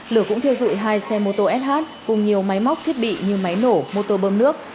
lửa cũng thiêu dụi hai xe mô tô sh cùng nhiều máy móc thiết bị như máy nổ mô tô bơm nước